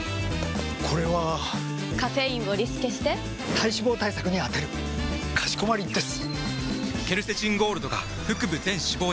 これはカフェインをリスケして体脂肪対策に充てるかしこまりです！！